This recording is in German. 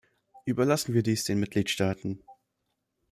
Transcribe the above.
Überlassen wir dies den Mitgliedstaaten.